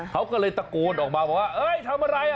เขาก็เลยตะโกนออกมาบอกว่าเอ้ยทำอะไร